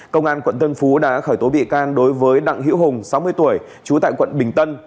công an quận tân phú đã khởi tố bị can đối với đặng hiễu hùng sáu mươi tuổi trú tại quận bình tân